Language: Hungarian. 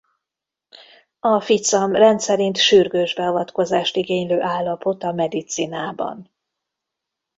A ficam rendszerint sürgős beavatkozást igénylő állapot a medicinában.